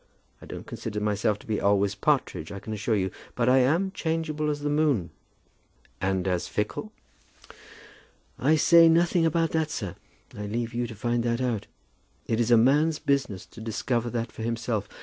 I don't consider myself to be always partridge, I can assure you. I am as changeable as the moon." "And as fickle?" "I say nothing about that, sir. I leave you to find that out. It is a man's business to discover that for himself.